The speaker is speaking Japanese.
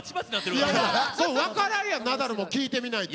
分からんやんナダルも聞いてみないと。